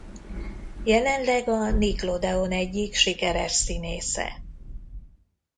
Jelenleg a Nickelodeon egyik sikeres színésze.